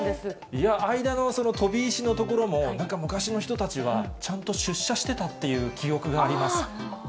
いや、間のその飛び石のところも、なんか昔の人たちは、ちゃんと出社してたっていう記憶があります。